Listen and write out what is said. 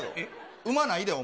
うまないで、お前。